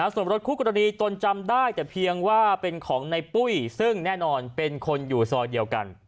ส่วนรถคู่กรณีตนจำได้แต่เพียงว่าเป็นของในปุ้ยซึ่งแน่นอนเป็นคนอยู่ซอยเดียวกัน